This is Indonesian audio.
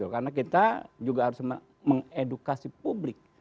karena kita juga harus mengedukasi publik